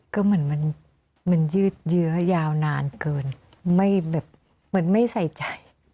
ก็เหมือนมันยืดเยื้อยาวนานเกินไม่แบบเหมือนไม่ใส่ใจ